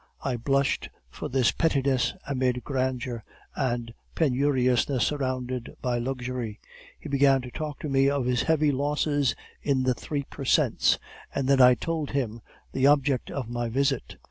I blushed for this pettiness amid grandeur, and penuriousness surrounded by luxury. He began to talk to me of his heavy losses in the three per cents, and then I told him the object of my visit.